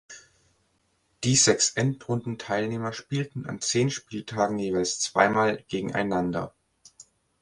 Die sechs Endrundenteilnehmer spielten an zehn Spieltagen jeweils zweimal gegeneinander.